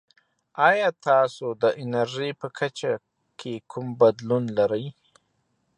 ایا تاسو د انرژي په کچه کې کوم بدلون لرئ؟